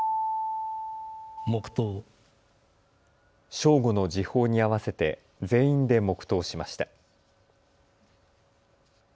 正午の時報に合わせて全員で黙とうしました。